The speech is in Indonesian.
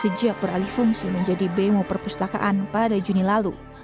sejak beralih fungsi menjadi bemo perpustakaan pada juni lalu